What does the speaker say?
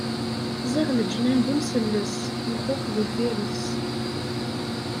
Ẓẓiɣ leǧnan d imselles, lxux d ifires.